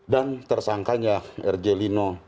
dan tersangkanya r j lino